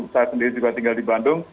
saya sendiri juga tinggal di bandung